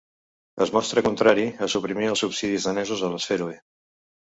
Es mostra contrari a suprimir els subsidis danesos a les Fèroe.